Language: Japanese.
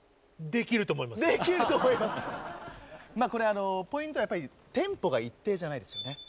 これポイントはやっぱりテンポが一定じゃないですよね。